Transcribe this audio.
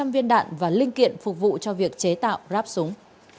tám trăm linh viên đạn và linh kiện phục vụ cho việc chế tạo ráp súng